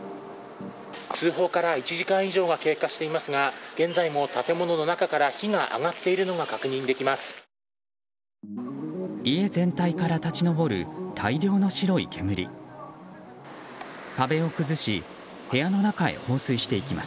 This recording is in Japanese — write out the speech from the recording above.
通報から１時間以上が経過していますが現在も建物の中から火が上がっているのが確認できます。